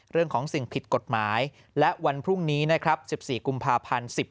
เรื่องของสิ่งผิดกฎหมายและวันพรุ่งนี้นะครับ๑๔กุมภาพันธ์